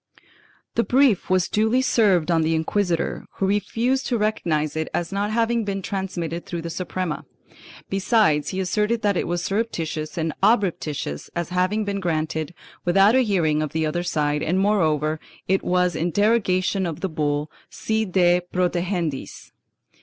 The brief was duly served on the inquisitor, who refused to recognize it as not having been transmitted through the Suprema; besides he asserted that it was surreptitious and obreptitious as having been granted without a hearing of the other side and moreover it was in derogation of the bull Si de protegendis.